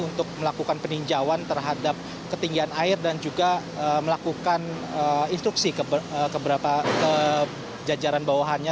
untuk melakukan peninjauan terhadap ketinggian air dan juga melakukan instruksi ke jajaran bawahannya